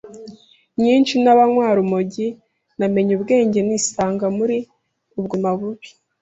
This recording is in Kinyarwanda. nyinshi n’abanywarumogi, namenye ubwenge nisanga muri ubwo buzima bubi